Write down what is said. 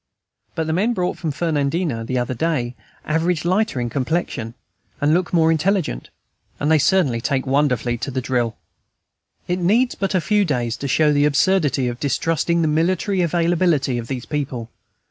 But the men brought from Fernandina the other day average lighter in complexion, and look more intelligent, and they certainly take wonderfully to the drill. It needs but a few days to show the absurdity of distrusting the military availability of these people.